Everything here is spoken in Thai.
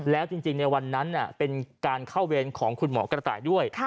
แล้วจริงในวันนั้นเป็นการเข้าเวรของคุณหมอกระต่ายด้วย